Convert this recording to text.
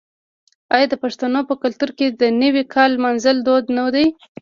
آیا د پښتنو په کلتور کې د نوي کال لمانځل دود نه دی؟